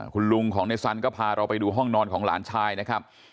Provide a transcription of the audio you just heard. คุณลุงของในสันก็พาเราไปดูห้องนอนของหลานชายนะครับ